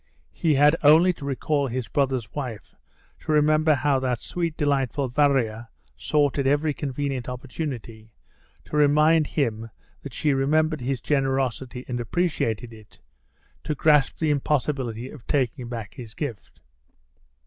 He had only to recall his brother's wife, to remember how that sweet, delightful Varya sought, at every convenient opportunity, to remind him that she remembered his generosity and appreciated it, to grasp the impossibility of taking back his gift.